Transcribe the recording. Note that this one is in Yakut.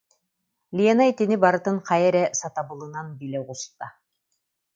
Лена итини барытын хайа эрэ сатабылынан билэ оҕуста